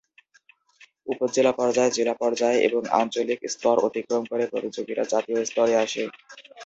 উপজেলা পর্যায়, জেলা পর্যায় এবং আঞ্চলিক স্তর অতিক্রম করে প্রতিযোগীরা জাতীয় স্তরে আসে।